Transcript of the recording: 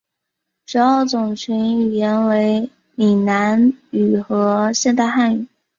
主要族群语言为闽南语和现代汉语。